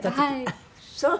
あっそう。